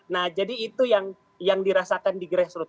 nah jadi itu yang dirasakan di grassroot